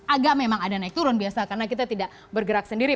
agak memang ada naik turun biasa karena kita tidak bergerak sendiri